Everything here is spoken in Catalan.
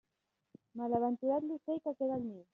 Malaventurat l'ocell que queda al niu.